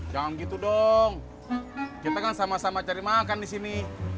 jangan gitu dong kita kan sama sama cari makan di sini